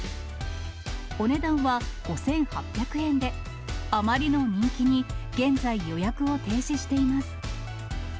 お値段は５８００円で、あまりの人気に、現在、予約を停止しています。